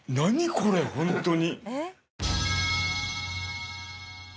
これホントに。